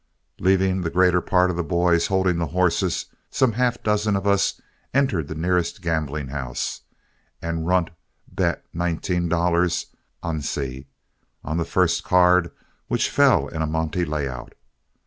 Leaving the greater part of the boys holding the horses, some half dozen of us entered the nearest gambling house, and Runt bet nineteen dollars "Alce" on the first card which fell in a monte lay out.